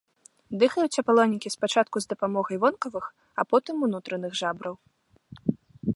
Дыхаюць апалонікі спачатку з дапамогай вонкавых, а потым унутраных жабраў.